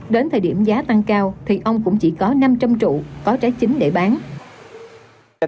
đến thời điểm giá tăng cao thì ông cũng chỉ có năm trăm linh trụ có trái chính để bán